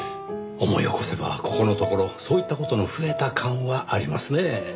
思い起こせばここのところそういった事の増えた感はありますねぇ。